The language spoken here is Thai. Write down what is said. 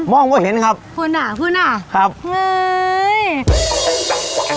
องก็เห็นครับคุณอ่ะคุณอ่ะครับเฮ้ย